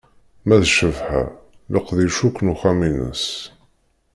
Ma d Cabḥa, leqdic akk n uxxam ines.